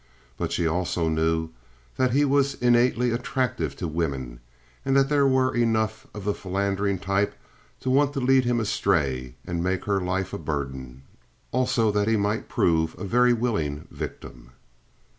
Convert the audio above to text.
But she also knew that he was innately attractive to women, and that there were enough of the philandering type to want to lead him astray and make her life a burden. Also that he might prove a very willing victim.